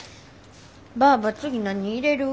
ばあば次何入れる？